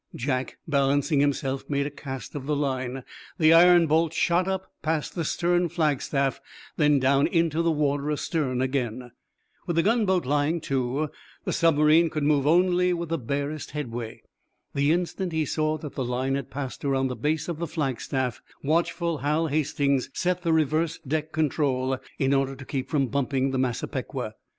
Jack, balancing himself, made a cast of the line. The iron bolt shot up, past the stern flagstaff, then down into the water astern again. With the gunboat lying to, the submarine could move only with the barest headway. The instant he saw that the line had passed around the base of the flagstaff, watchful Hal Hastings set the reverse deck control in order to keep from bumping the "Massapequa."